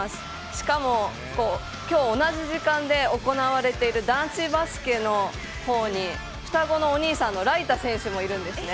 しかも、今日同じ時間で行われている男子バスケの方に双子のお兄さんの雷太選手がいるんですね。